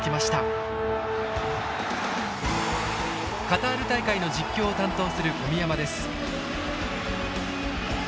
カタール大会の実況を担当する小宮山です。